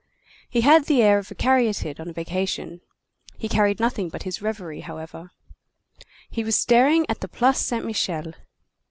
He had the air of a caryatid on a vacation; he carried nothing but his reverie, however. He was staring at the Place Saint Michel.